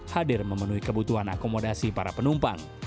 hadir memenuhi kebutuhan akomodasi para penumpang